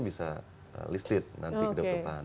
bisa listed nanti kedepan